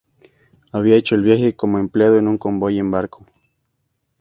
Había hecho el viaje como empleado en un convoy en barco.